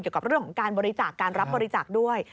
เกี่ยวกับเรื่องของการบริจาคการรับบริจาคด้วย